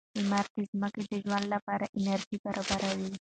لمر د ځمکې د ژوند لپاره انرژي برابروي.